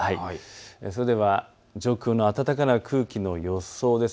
それでは上空の暖かな空気の予想です。